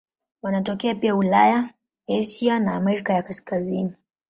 Wanatokea pia Ulaya, Asia na Amerika ya Kaskazini.